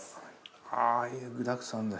あぁいい具だくさんで。